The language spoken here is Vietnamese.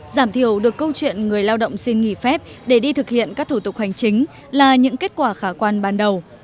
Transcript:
giảm thiểu được câu chuyện người lao động xin nghỉ phép để đi thực hiện các thủ tục hành chính là những kết quả khả quan ban đầu